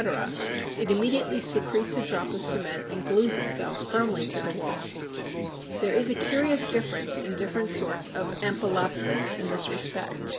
it immediately secretes a drop of cement and glues itself firmly to the wall. There is a curious difference in different sorts of Ampelopsis in this respect.